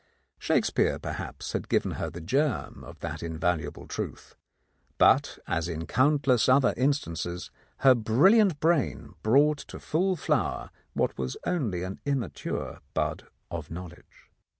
Shakespeare perhaps had given her the germ of that invaluable truth ; but, as in countless other instances, her brilliant brain brought to full flower what was only an immature bud of knowledge.